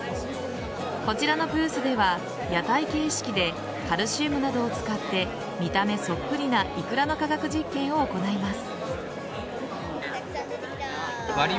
こちらのブースでは屋台形式でカルシウムなどを使って見た目そっくりなイクラの科学実験を行います。